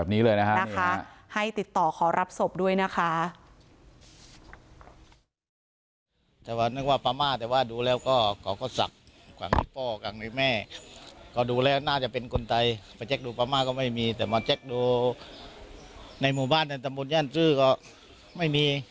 มีรอยสักแบบนี้แปรแบบนี้เลยค่ะให้ติดต่อขอรับศพด้วยนะคะ